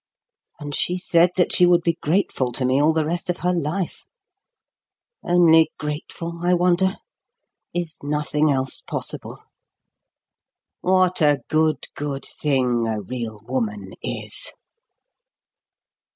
And she said that she would be grateful to me all the rest of her life! Only 'grateful,' I wonder? Is nothing else possible? What a good, good thing a real woman is!"